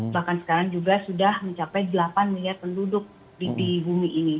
bahkan sekarang juga sudah mencapai delapan miliar penduduk di bumi ini